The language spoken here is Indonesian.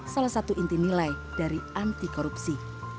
salah satu inti nilai dari anti korupsi